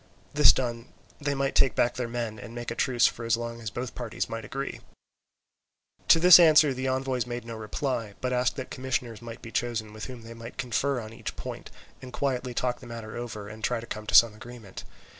This done they might take back their men, and make a truce for as long as both parties might agree. To this answer the envoys made no reply, but asked that commissioners might be chosen with whom they might confer on each point, and quietly talk the matter over and try to come to some agreement.